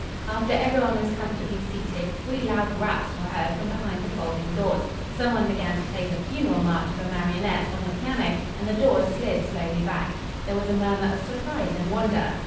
After everyone was comfortably seated three loud raps were heard from behind the folding doors. Some one began to play "The Funeral March of a Marionette" on the piano, and the doors slid slowly back. There was a murmur of surprise and wonder.